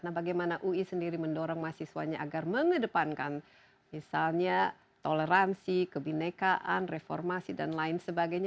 nah bagaimana ui sendiri mendorong mahasiswanya agar mengedepankan misalnya toleransi kebinekaan reformasi dan lain sebagainya